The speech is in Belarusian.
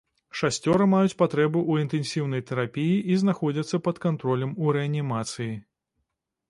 Шасцёра маюць патрэбу ў інтэнсіўнай тэрапіі і знаходзяцца пад кантролем у рэанімацыі.